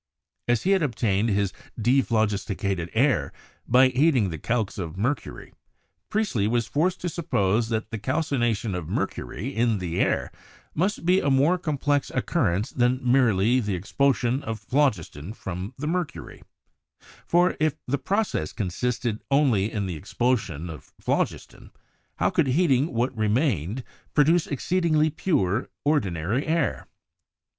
As he had obtained his "dephlogis ticated air" by heating the calx of mercury, Priestley was forced to suppose that the calcination of mercury in the air must be a more complex occurrence than merely the expulsion of phlogiston from the mercury; for, if the process consisted only in the expulsion of phlogiston, how could heating what remained produce exceedingly pure ordinary air?